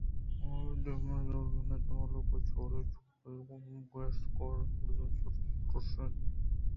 دائم نزور منّنت مَلکمُوت دارچنیں پیراں مرد کہ گیشیں کار ءَ ہزمتاں سرٛین پرٛوش اَت